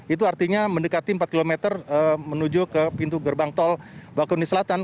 itu artinya mendekati empat km menuju ke pintu gerbang tol bakauni selatan